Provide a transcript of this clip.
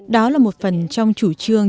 đó là một phần trong chủ trương